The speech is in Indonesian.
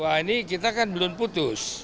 wah ini kita kan belum putus